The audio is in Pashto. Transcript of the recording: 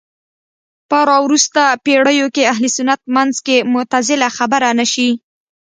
په راوروسته پېړيو کې اهل سنت منځ کې معتزله خبره نه شي